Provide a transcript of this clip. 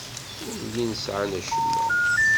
Ur llin sɛan acemma.